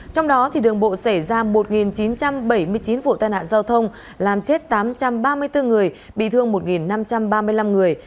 trong đó đường bộ xảy ra một chín trăm bảy mươi chín vụ tai nạn giao thông làm chết tám trăm ba mươi bốn người bị thương một năm trăm ba mươi năm người